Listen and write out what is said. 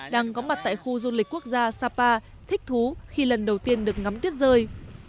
đang có mặt tại khu du lịch quốc gia sapa thích thú khi lần đầu tiên được ngắm tuyết rơi